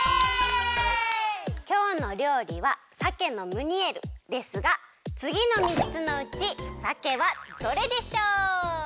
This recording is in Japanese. きょうのりょうりはさけのムニエルですがつぎのみっつのうちさけはどれでしょう？